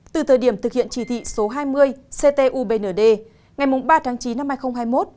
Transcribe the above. từ thời điểm thực hiện chỉ thị số hai mươi ctubnd ngày ba tháng chín năm hai nghìn hai mươi một